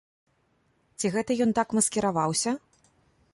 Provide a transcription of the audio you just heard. Ці гэта ён так маскіраваўся!?